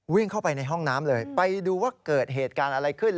วิ่งเข้าไปในห้องน้ำเลยไปดูว่าเกิดเหตุการณ์อะไรขึ้น